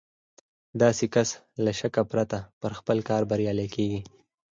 داسې کس له شکه پرته په خپل کار بريالی کېږي.